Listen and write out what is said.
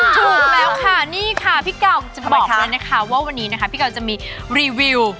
ถูกแล้วค่ะพี่เก่าจะบอกเลยนะคะว่าว่าวันนี้จะมีรีวิว